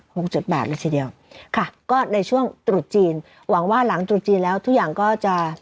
หกจดแบบเลยทีเดียวค่ะก็ในช่วงตรุษจีนหวังว่าหลังตรุษจีนแล้วทุกอย่างก็จะ